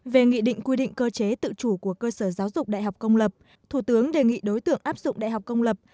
về nghị định quy định cơ chế tự chủ của cơ sở giáo dục đại học công lập thủ tướng đề nghị đối tượng áp dụng đại học công lập